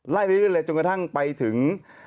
ไปเรื่อยเลยจนกระทั่งไปถึง